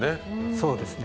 そうですね。